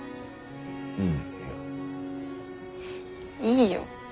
いいよ。